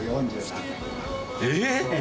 えっ！